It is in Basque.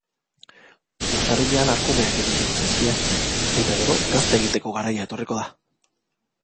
Urtarrilean arkumeak iritsiko zaizkie eta gero gazta egiteko garaia etorriko da.